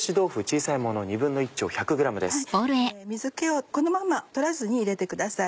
水気をこのまま取らずに入れてください。